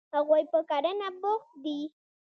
هغوی په کرنه بوخت دي.